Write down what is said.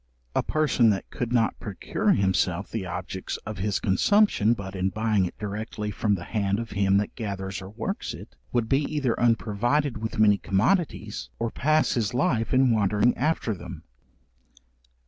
A person that could not procure himself the objects of his consumption but in buying it directly from the hand of him that gathers or works it, would be either unprovided with many commodities, or pass his life in wandering after them.